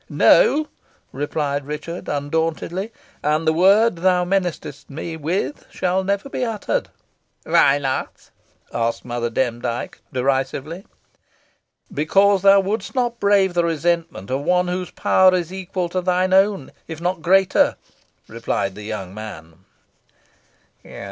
"No," replied Richard, undauntedly. "And the word thou menacest me with shall never be uttered." "Why not?" asked Mother Demdike, derisively. "Because thou wouldst not brave the resentment of one whose power is equal to thine own if not greater," replied the young man.